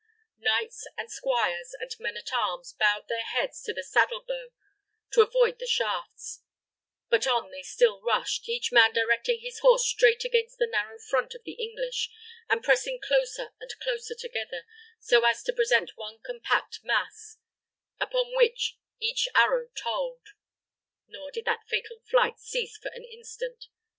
Knights and squires, and men at arms bowed their heads to the saddle bow to avoid the shafts; but on they still rushed, each man directing his horse straight against the narrow front of the English, and pressing closer and closer together, so as to present one compact mass, upon which each arrow told. Nor did that fatal flight cease for an instant.